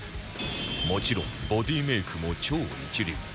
もちろんボディメイクも超一流